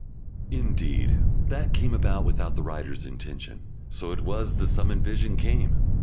Indeed, that came about without the writer's intention. So it was the summoned vision came.